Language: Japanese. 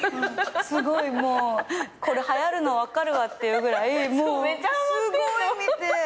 すごいもうこれはやるの分かるわっていうぐらいすごい見て。